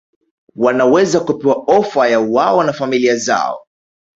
wanaweza kupewa ofa yawao na familia zao